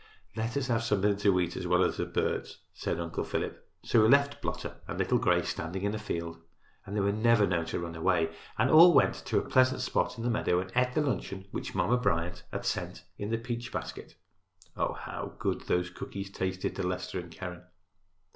"Let us have something to eat as well as the birds," said Uncle Philip. So he left Blotter and Little Gray standing in the field—they were never known to run away—and all went to a pleasant spot in the meadow and ate the luncheon which Mama Bryant had sent in the peach basket. Oh, how good those cookies tasted to Leicester and Keren!